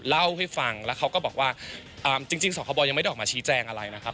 เล่าให้ฟังแล้วเขาก็บอกว่าจริงสคบยังไม่ได้ออกมาชี้แจงอะไรนะครับ